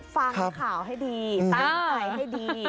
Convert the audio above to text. ฟังข่าวให้ดีตั้งใจให้ดี